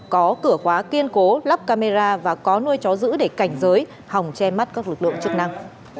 có cửa khóa kiên cố lắp camera và có nuôi chó giữ để cảnh giới hòng che mắt các lực lượng chức năng